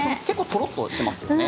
とろっとしますよね。